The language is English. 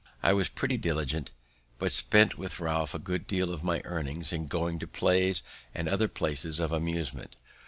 I was pretty diligent, but spent with Ralph a good deal of my earnings in going to plays and other places of amusement.